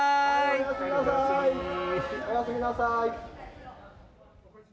おやすみなさい。